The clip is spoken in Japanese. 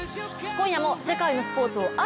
今夜も世界のスポーツを熱！